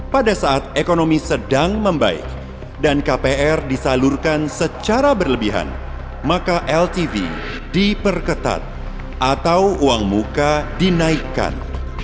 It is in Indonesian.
pada saat ekonomi sedang membaik dan kpr disalurkan secara berlebihan maka ltv diperketat atau uang muka dinaikkan